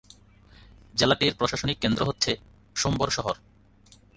জেলাটির প্রশাসনিক কেন্দ্র হচ্ছে সোমবর শহর।